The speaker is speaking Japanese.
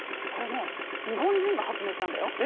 これね日本人が発明したんだよ。